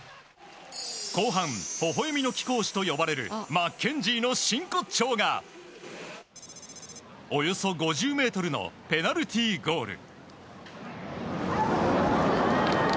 後半、ほほ笑みの貴公子と呼ばれるマッケンジーの真骨頂がおよそ５０ｍのペナルティーゴール。